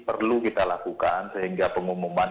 perlu kita lakukan sehingga pengumuman